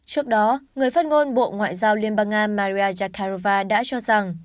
trước đó người phát ngôn bộ ngoại giao liên bang nga maria zakharova đã cho rằng